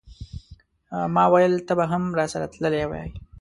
ماویل ته به هم راسره تللی وای.